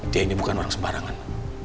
dia ini bukan orang sembarangan